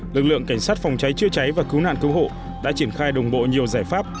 lực lượng cảnh sát phòng cháy chữa cháy và cứu nạn cứu hộ đã triển khai đồng bộ nhiều giải pháp